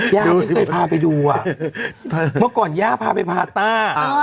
ย่าที่เคยพาไปดูอ่ะเมื่อก่อนย่าพาไปพาต้า